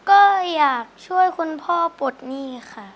ก็อยากช่วยคุณพ่อปลดหนี้ค่ะ